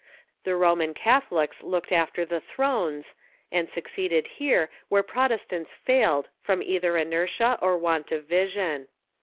The Roman Catholics looked after the thrones, and succeeded here where Protestants failed from either inertia or want of vision.